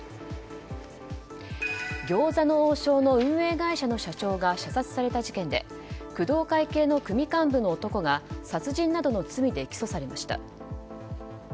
餃子の王将の運営会社の社長が射殺された事件で工藤会系の組幹部の男が殺人などの罪で起訴されました。